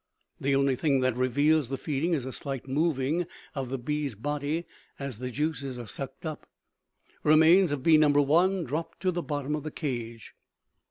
2. The only thing that reveals the feeding is a slight moving of the bee's body as the juices are sucked up. Remains of bee No. 1 dropped to the bottom of the cage.